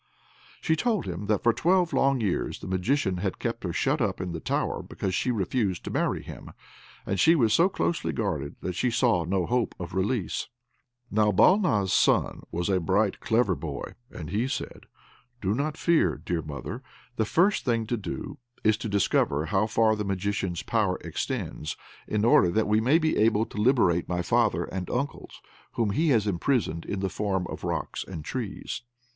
She told him that for twelve long years the Magician had kept her shut up in the tower because she refused to marry him, and she was so closely guarded that she saw no hope of release. Now Balna's son was a bright, clever boy, so he said, "Do not fear, dear mother; the first thing to do is to discover how far the Magician's power extends, in order that we may be able to liberate my father and uncles, whom he has imprisoned in the form of rocks and trees.